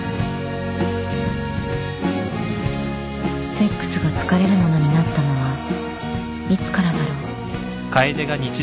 セックスが疲れるものになったのはいつからだろう